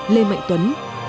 lê mạnh tuấn